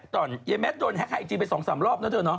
ต่อไอ้แมทโดนแฮคไอจีไปสองสามรอบนะเถอะ